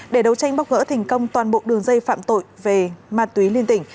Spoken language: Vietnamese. để đấu tranh bóc gỡ thành công toàn bộ đường dây phạm tội về ma túy liên tỉnh